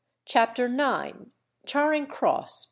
] CHAPTER IX. CHARING CROSS.